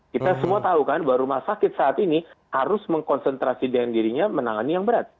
kita semua tahu kan bahwa rumah sakit saat ini harus mengkonsentrasi dengan dirinya menangani yang berat